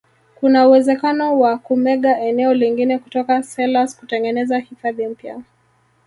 kuna uwezekano wa kumega eneo lingine kutoka selous kutengeneza hifadhi mpya